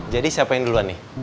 jadi siapain duluan nih